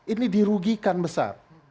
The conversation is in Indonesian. ini dirugikan besar